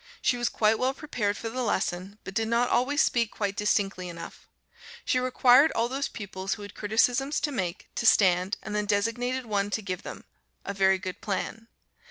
She was quite well prepared for the lesson, but did not always speak quite distinctly enough; she required all those pupils, who had criticisms to make, to stand, and then designated one to give them a very good plan.